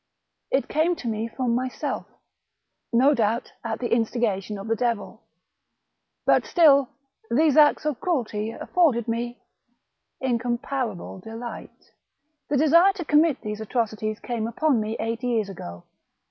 *' It came to me from myself, — no doubt at the instigation of the devil : but still these acts of cruelty afforded me incomparable delight. The desire to com mit these atrocities came upon me eight years ago.